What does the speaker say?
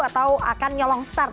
atau akan nyolong start